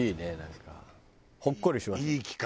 ほっこりしました。